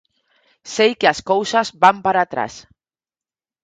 Sei que as cousas van para atrás.